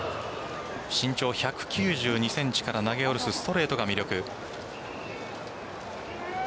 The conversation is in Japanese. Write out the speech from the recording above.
身長１９２ｃｍから投げ下ろすストレートが魅力。